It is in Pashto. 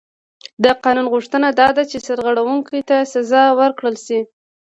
د قانون غوښتنه دا ده چې سرغړونکي ته سزا ورکړل شي.